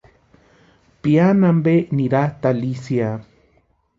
Piani ampe niratʼi Alicia.